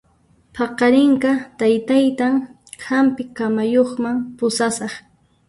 Paqarinqa taytaytan hampi kamayuqman pusasaq